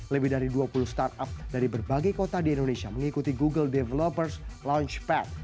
lebih dari dua puluh startup dari berbagai kota di indonesia mengikuti google developers launchpad